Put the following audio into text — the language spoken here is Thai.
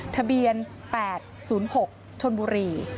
ทะเบียน๘๐๖ชนบุรี